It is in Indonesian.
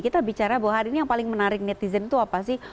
kita bicara bahwa hari ini yang paling menarik netizen itu apa sih